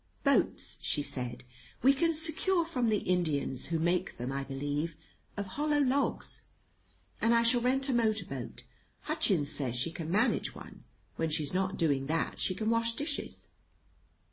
"Boats," she said, "we can secure from the Indians, who make them, I believe, of hollow logs. And I shall rent a motor boat. Hutchins says she can manage one. When she's not doing that she can wash dishes."